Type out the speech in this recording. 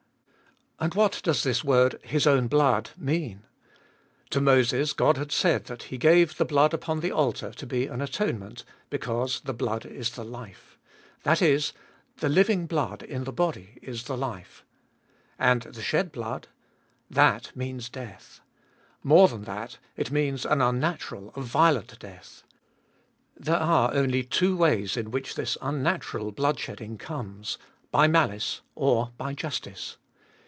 And what does this word, His own blood, mean ? To Moses God had said that He gave the blood upon the altar to be an atonement, because the blood is the life. That is, the living blood in the body is the life. And the shed blood? That means death. More than that, it means an unnatural, a violent death. There are only two ways in which this unnatural blood 296 cbe uolfest of Bll shedding comes : by malice or by justice.